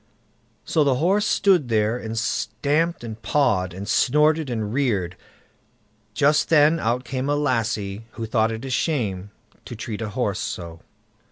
So the horse stood there and stamped and pawed, and snorted and reared. Just then out came a lassie, who thought it a shame to treat a horse so.